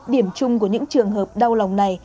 điểm chung của những trường hợp đau lòng này